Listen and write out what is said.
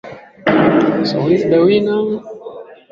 Nitampeleka nyumbani kwetu keshowe